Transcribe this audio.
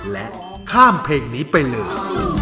และข้ามเพลงนี้ไปเลย